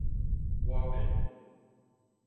倚欲